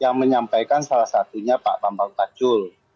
yang menyampaikan salah satunya pak bang pak pacul